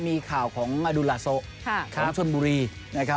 มีข่าวของอดูลหละโซของชนบุรี